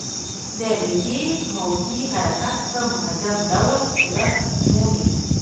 د معدې موجې حرکات په منظم ډول صورت مومي.